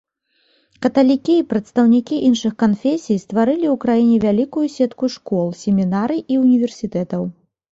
Каталікі і прадстаўнікі іншых канфесій стварылі ў краіне вялікую сетку школ, семінарый і універсітэтаў.